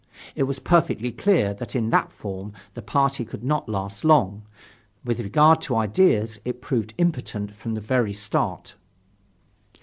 It was perfectly clear that in that form the party could not last long. With regard to ideas, it proved impotent from the very start.